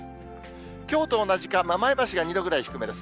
きょうと同じか、前橋が２度ぐらい低めです。